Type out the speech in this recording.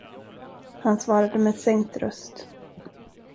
Han svarade med sänkt röst.